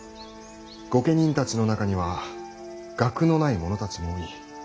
御家人たちの中には学のない者たちも多い。